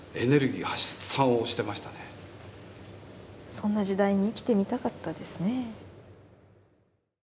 そんな時代に生きてみたかったですねえ。